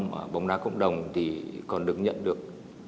mà bóng đá cộng đồng thì còn được nhận được